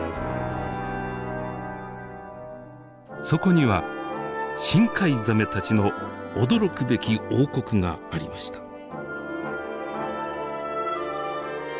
そこには深海ザメたちの驚くべき王国がありました。